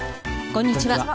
こんにちは。